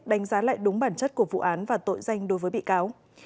đánh giá lại đúng bản chất của vụ án và tội danh đối với bị cáo